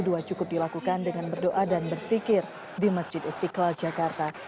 kekir aksi satu ratus dua belas cukup dilakukan dengan berdoa dan bersikir di masjid istiqlal jakarta